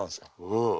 うん。